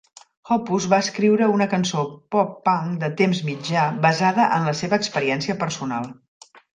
Hoppus va escriure una cançó pop punk de temps mitjà basada en la seva experiència personal.